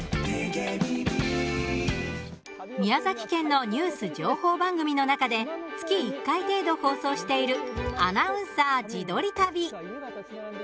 宮崎県のニュース情報番組の中で月１回程度、放送している「アナウンサー自撮り旅」。